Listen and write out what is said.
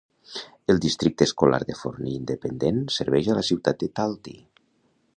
El districte escolar de Forney Independent serveix a la ciutat de Talty.